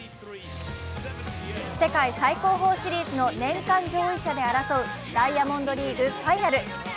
世界最高峰シリーズの年間上位者で争うダイヤモンドリーグファイナル。